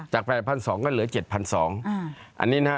ตัดไป๑๐๐๐จาก๘๒๐๐ก็เหลือ๗๒๐๐บาท